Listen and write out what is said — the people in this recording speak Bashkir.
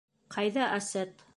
— Ҡайҙа Асет?